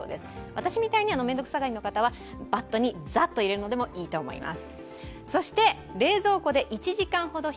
私みたいに面倒くさがりな方はバットにザッと入れるのでもいいと思います。